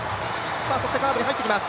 そしてカーブに入っていきます。